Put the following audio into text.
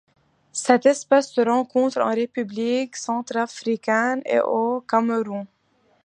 Cette espèce se rencontre en République centrafricaine et au Cameroun.